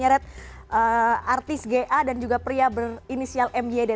terima kasih bu eva sudah memberikan gambaran kepada kami soal ini